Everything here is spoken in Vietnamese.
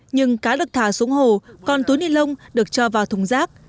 nhưng cá được thả xuống hồ còn túi ni lông được cho vào thùng rác